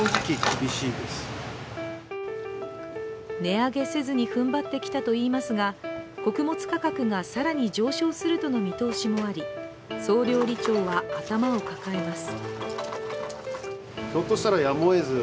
値上げせずにふんばってきたといいますが穀物価格が更に上昇するとの見通しもあり総料理長は頭を抱えます。